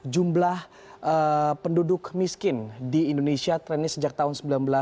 jumlah penduduk miskin di indonesia trennya sejak tahun seribu sembilan ratus sembilan puluh